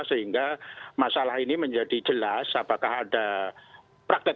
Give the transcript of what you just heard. sehingga masalah ini menjadi jelas apakah ada praktek